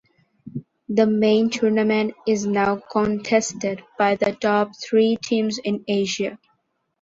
The main tournament is now contested by the top three teams in Asia.